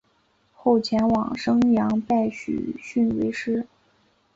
后前往旌阳拜许逊为师。